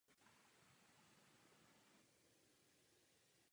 Nejprve na Hrubé Vodě a pak v Olomouci na ředitelství podniku.